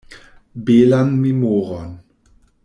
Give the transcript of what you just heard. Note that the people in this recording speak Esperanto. Belan memoron!